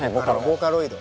ボーカロイド。